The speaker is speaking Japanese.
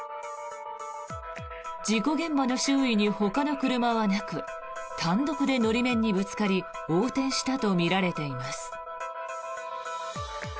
事故現場の周囲にほかの車はなく単独で法面にぶつかり横転したとみられています。